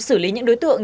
xử lý những đối tượng